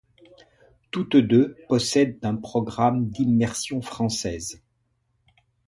Toutes deux possèdent un programme d'immersion française.